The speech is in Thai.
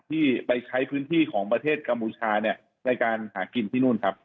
ที่ไปใช้พื้นที่ของประเทศกัมพูชาเนี่ยในการหากินที่นู่นครับ